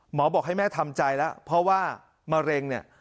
บอกให้แม่ทำใจแล้วเพราะว่ามะเร็งเนี่ย